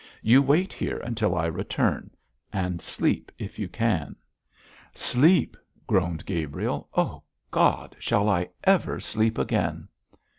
You wait here until I return, and sleep if you can.' 'Sleep!' groaned Gabriel. 'Oh, God! shall I ever sleep again?'